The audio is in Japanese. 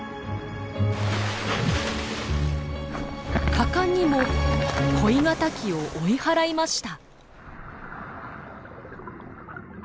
果敢にも恋敵を追い払いました。